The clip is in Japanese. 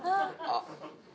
あっ。